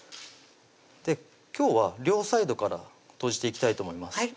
今日は両サイドから閉じていきたいと思います